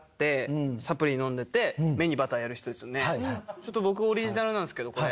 ちょっと僕オリジナルなんですけどこれ。